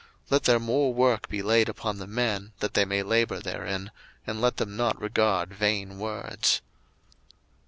02:005:009 Let there more work be laid upon the men, that they may labour therein; and let them not regard vain words.